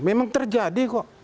memang terjadi kok